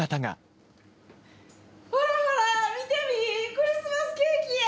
クリスマスケーキや！